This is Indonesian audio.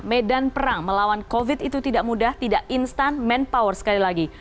medan perang melawan covid itu tidak mudah tidak instan manpower sekali lagi